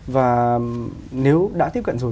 và nếu đã tiếp cận rồi